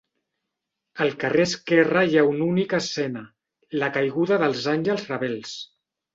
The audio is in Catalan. Al carrer esquerre hi ha una única escena, la Caiguda dels àngels rebels.